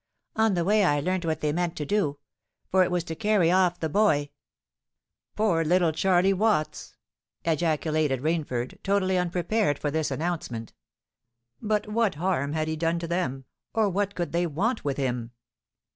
On the way I learnt what they meant to do; for it was to carry off the boy——" "Poor little Charley Watts!" ejaculated Rainford, totally unprepared for this announcement. "But what harm had he done to them? or what could they want with him?"